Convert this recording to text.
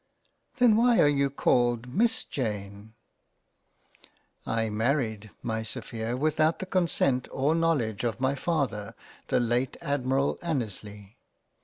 " Then why are you called Miss Jane ?" u I married, my Sophia without the consent or knowledge of my father the late Admiral Annesley.